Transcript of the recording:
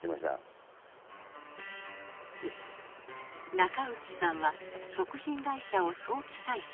中内さんは食品会社を早期退職。